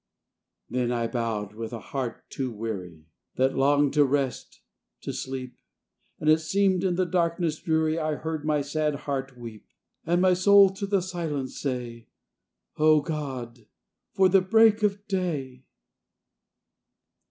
Then I bowed with a heart too weary, That longed to rest, to sleep; And it seemed in the darkness dreary I heard my sad heart weep; And my soul to the silence say, "O God! for the break of day!"